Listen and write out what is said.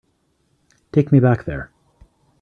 Take me back there.